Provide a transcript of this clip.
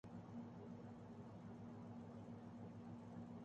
ایسی قوموں میں ہی ڈان لیکس جیسے مسائل جنم لیتے ہیں۔